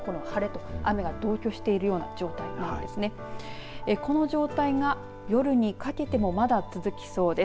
この状態が夜にかけてもまだ続きそうです。